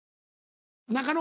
中野